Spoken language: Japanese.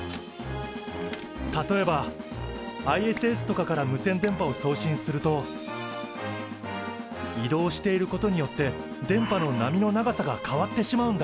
例えばＩＳＳとかから無線電波を送信すると移動していることによって電波の波の長さが変わってしまうんだ。